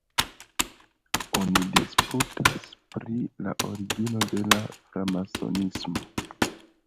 Oni disputas pri la origino de Framasonismo.